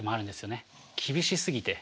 厳しすぎて。